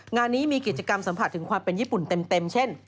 งานนี้มีกิจกรรมสัมผัสถึงความเป็นญี่ปุ่นเต็มเช่น